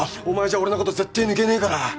お前じゃ俺のこと絶対抜けねえから！